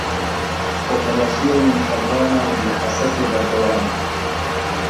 Operasyonên şervanan li Hesekê berdewam in.